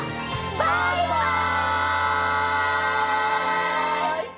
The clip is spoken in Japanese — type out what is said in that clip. バイバイ！